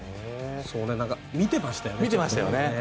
見てましたよね。